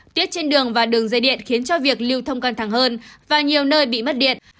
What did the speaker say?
tuyết trên đường và đường dây điện khiến cho việc lưu thông căng thẳng hơn và nhiều nơi bị mất điện